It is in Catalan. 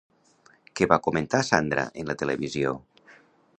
Què va comentar Sandra en la televisió?